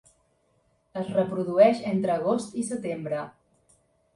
Es reprodueix entre agost i setembre.